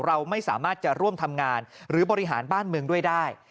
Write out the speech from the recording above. เราไม่สามารถจะร่วมทำงานหรือบริหารบ้านเมืองด้วยได้